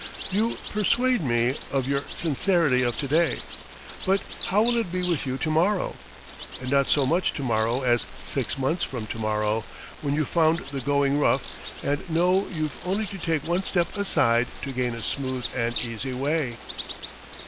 You persuade me of your sincerity of today; but how will it be with you tomorrow and not so much tomorrow as six months from tomorrow, when you've found the going rough and know you've only to take one step aside to gain a smooth and easy way?"